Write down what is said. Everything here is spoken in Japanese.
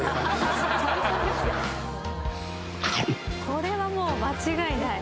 これはもう間違いない。